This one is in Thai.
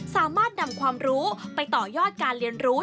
สามารถนำความรู้ไปต่อยอดการเรียนรู้